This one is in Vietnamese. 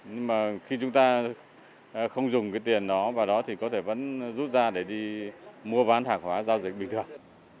nhưng mà khi chúng ta không dùng cái tiền nó vào đó thì có thể vẫn rút ra để đi mua ván hạng hóa giao dịch bình thường